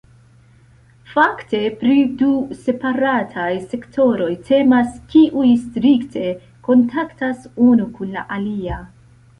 Fakte, pri du separataj sektoroj temas, kiuj strikte kontaktas unu kun la alia.